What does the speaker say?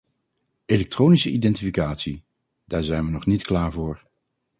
Elektronische identificatie: daar zijn we nog niet klaar voor.